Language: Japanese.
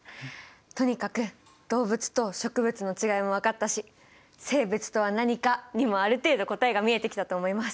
とにかく動物と植物のちがいも分かったし「生物とは何か」にもある程度答えが見えてきたと思います。